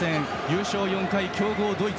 優勝４回の強豪